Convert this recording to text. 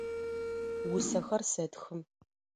Усэхэр сэтхы.